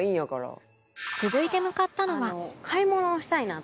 続いて向かったのは